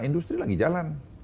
industri lagi jalan